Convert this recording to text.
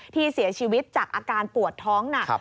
ที่เสียชีวิตจากอาการปวดท้องหนัก